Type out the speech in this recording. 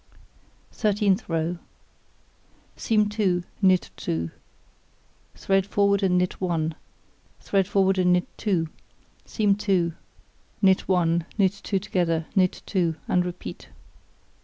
Thirteenth row: Seam 2, knit 2, thread forward and knit 1, thread forward and knit 2, seam 2, knit 1, knit 2 together, knit 2, and repeat.